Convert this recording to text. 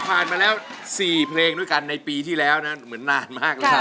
ผ่ามาแล้ว๔เฟลงด้วยกันในปีที่แล้วนะว